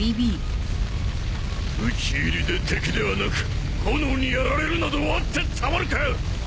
討ち入りで敵ではなく炎にやられるなどあってたまるか！